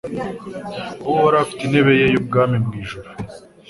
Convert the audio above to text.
Uhoraho afite intebe ye y’ubwami mu ijuru